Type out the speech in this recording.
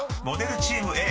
モデルチームＡ。